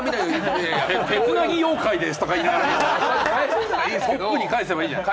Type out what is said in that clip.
手つなぎ妖怪ですとか、ポップに返せばいいじゃない。